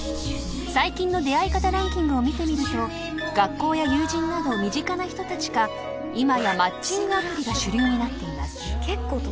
［最近の出会い方ランキングを見てみると学校や友人など身近な人たちか今やマッチングアプリが主流になっています］